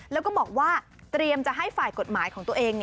แล้วก็บอกว่าเตรียมจะให้ฝ่ายกฎหมายของตัวเอง